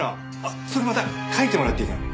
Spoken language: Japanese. それまた描いてもらっていいかな？